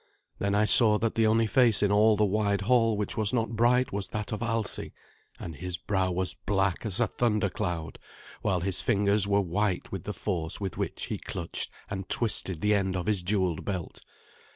Then I saw that the only face in all the wide hall which was not bright was that of Alsi, and his brow was black as a thunder cloud, while his fingers were white with the force with which he clutched and twisted the end of his jewelled belt.